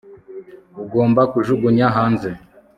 Ugomba kujugunya hanze